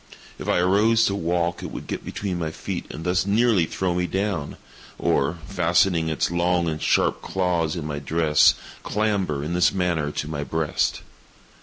If I arose to walk it would get between my feet and thus nearly throw me down, or, fastening its long and sharp claws in my dress, clamber, in this manner, to my breast.